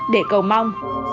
để cầu mong